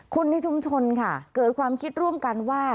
คนในชุมชนค่ะเกิดความคิดร่วมกันว่า